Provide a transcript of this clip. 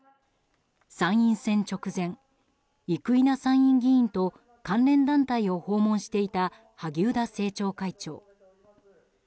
参院選直前、生稲参院議員と関連団体を訪問していた萩生田政調会長。